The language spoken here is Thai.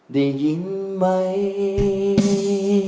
ได้ยินไหม